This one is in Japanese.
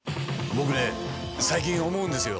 僕ね最近思うんですよ。